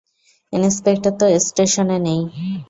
Inspector তো স্টেশনে নেই।